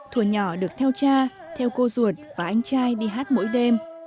thùa nhỏ được theo cha theo cô ruột và anh trai đi hát mỗi đêm